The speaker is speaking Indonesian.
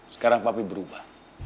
sekarang papi berubah